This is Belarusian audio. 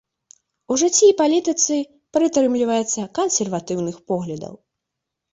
У жыцці і палітыцы прытрымліваецца кансерватыўных поглядаў.